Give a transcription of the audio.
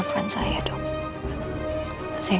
supaya kita nyamanin di moleskine